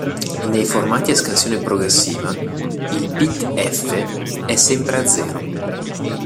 Nei formati a scansione progressiva, il bit F è sempre a zero.